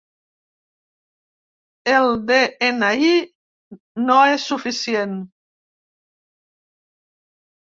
El de-ena-i no és suficient.